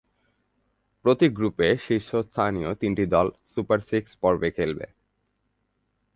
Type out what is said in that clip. প্রতি গ্রুপে শীর্ষস্থানীয় তিনটি দল সুপার সিক্স পর্বে খেলবে।